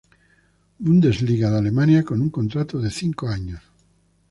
Bundesliga de Alemania con un contrato de cinco años.